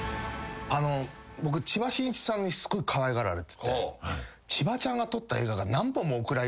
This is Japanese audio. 僕千葉真一さんにすごいかわいがられてて千葉ちゃんが撮った映画が。